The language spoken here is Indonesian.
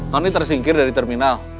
tony tersingkir dari terminal